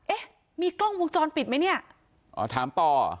เอ๊ะมีกล้องวงจรปิดไหมเนี่ยอ๋อถามป่อ